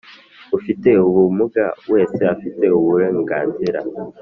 Ufite ubumuga wese afite uburenganzira